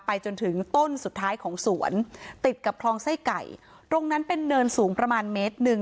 จนถึงต้นสุดท้ายของสวนติดกับคลองไส้ไก่ตรงนั้นเป็นเนินสูงประมาณเมตรหนึ่ง